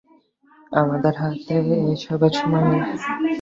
আমাদের হাতে এসবের সময় নেই।